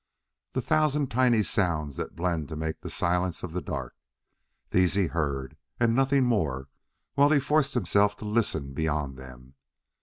The thousand tiny sounds that blend to make the silence of the dark! These he heard, and nothing more, while he forced himself to listen beyond them.